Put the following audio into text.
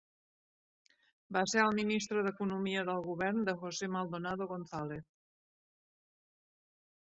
Va ser el ministre d'Economia del govern de José Maldonado González.